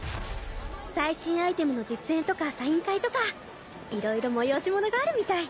最新アイテムの実演とかサイン会とかいろいろ催し物があるみたい。